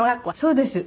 そうです。